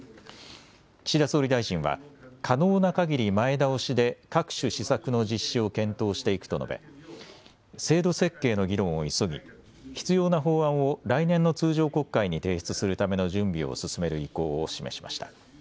岸田総理大臣は可能なかぎり前倒しで各種施策の実施を検討していくと述べ制度設計の議論を急ぎ必要な法案を来年の通常国会に提出するための準備を進める意向を示しました。